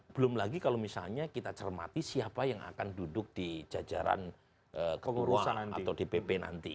belum lagi kalau misalnya kita cermati siapa yang akan duduk di jajaran ketua atau dpp nanti